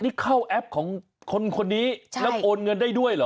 นี่เข้าแอปของคนนี้แล้วโอนเงินได้ด้วยเหรอ